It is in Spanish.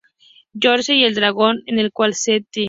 George y el dragón, en el cual St.